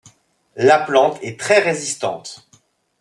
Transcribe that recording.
La plante est très résistante.